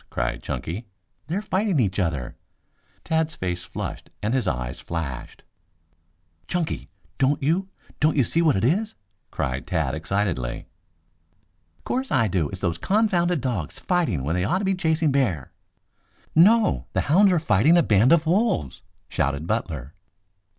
cried Chunky. "They're fighting each other." Tad's face flushed and his eyes flashed. "Chunky, don't you don't you see what it is?" cried Tad excitedly. "'Course I do. It's those confounded dogs fighting when they ought to be chasing bear." "No! The hounds are fighting a band of wolves!" shouted Butler.